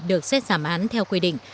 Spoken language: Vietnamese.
được xét giảm án theo quy định